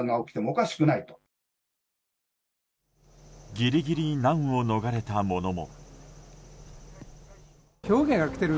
ギリギリ難を逃れたものも。